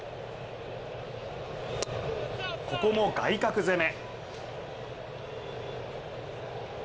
ここも外角攻め。